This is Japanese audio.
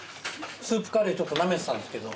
スープカレーなめてたんですけど。